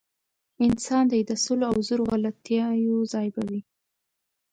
انسان دی د سلو او زرو غلطیو ځای به وي.